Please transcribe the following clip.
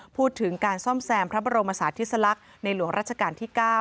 พูดถึงการซ่อมแซมพระบรมศาสติสลักษณ์ในหลวงราชการที่๙